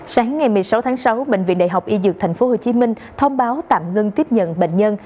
sáng ngày một mươi sáu tháng sáu bệnh viện đại học y dược tp hcm thông báo tạm ngưng tiếp nhận bệnh nhân